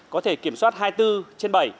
có thể kiểm soát hai mươi bốn trên bảy